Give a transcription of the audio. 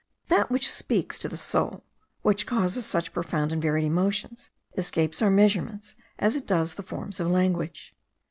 That which speaks to the soul, which causes such profound and varied emotions, escapes our measurements as it does the forms of language.